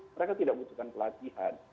mereka tidak butuhkan pelatihan